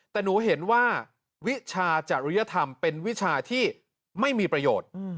แต่หนูเห็นว่าวิชาจริยธรรมเป็นวิชาที่ไม่มีประโยชน์